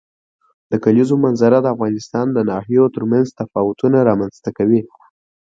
د کلیزو منظره د افغانستان د ناحیو ترمنځ تفاوتونه رامنځ ته کوي.